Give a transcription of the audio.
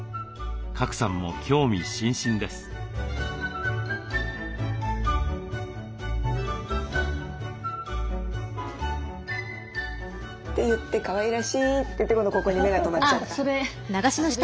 賀来さんも興味津々です。って言ってかわいらしいって言ってここに目が留まっちゃった。